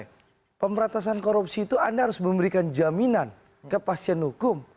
iya dong pemberantasan korupsi itu anda harus memberikan jaminan ke pasien hukum